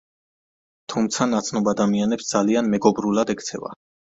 თუმცა ნაცნობ ადამიანებს ძალიან მეგობრულად ექცევა.